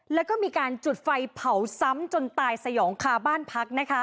และมีจุดไฟเผาซ้ำจนตายสยองกราบบ้านพัก